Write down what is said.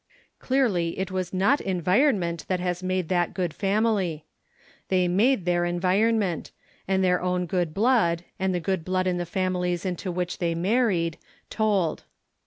Clearly it was not environment that has made that good family. They made their environment ; and their own good blood, with the good blood in the families into which they married, told.